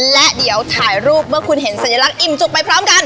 และเดี๋ยวถ่ายรูปเมื่อคุณเห็นสัญลักษณ์อิ่มจุกไปพร้อมกัน